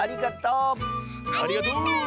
ありがとう！